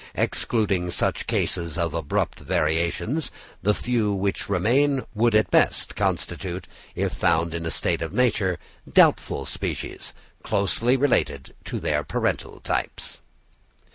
Excluding such cases of abrupt variations, the few which remain would at best constitute, if found in a state of nature, doubtful species, closely related to their parental types.